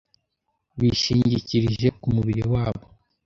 Bishingikirije kumubiri wabo